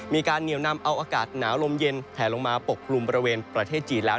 มีการเหนียวนำเอาอากาศหนาวลมเย็นแผลลงมาปกกลุ่มบริเวณประเทศจีนแล้ว